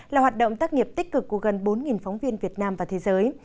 là hoạt động tác nghiệp tích cực của gần bốn phóng viên việt nam và thế giới